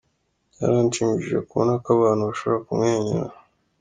Byaranshimishije kubona ko abantu bashobora kumwenyura.